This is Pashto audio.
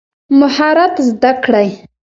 مهارت زده کړئ